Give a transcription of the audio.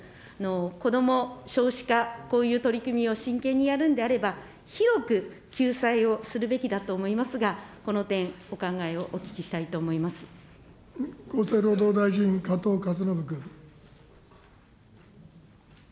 子ども少子化、こういう取り組みを真剣にやるんであれば、広く救済をするべきだと思いますが、この点、お考えをお聞きしたいと思厚生労働大臣、加藤勝信君。